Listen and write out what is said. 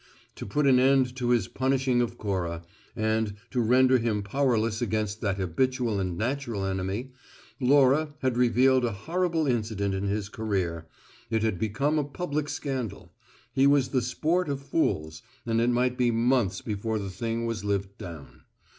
To put an end to his punishing of Cora, and, to render him powerless against that habitual and natural enemy, Laura had revealed a horrible incident in his career it had become a public scandal; he was the sport of fools; and it might be months before the thing was lived down.